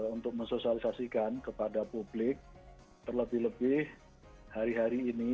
untuk mensosialisasikan kepada publik terlebih lebih hari hari ini